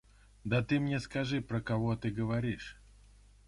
Да ты мне скажи, про кого ты говоришь?